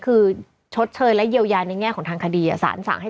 คือชดเชยและเยียวยาในแง่ของทางคดีสารสั่งให้